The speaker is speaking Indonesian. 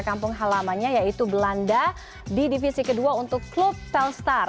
kampung halamannya yaitu belanda di divisi kedua untuk klub telstar